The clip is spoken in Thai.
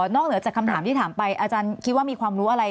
เหนือจากคำถามที่ถามไปอาจารย์คิดว่ามีความรู้อะไร